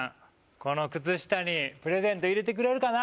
この靴下にプレゼント入れてくれるかな？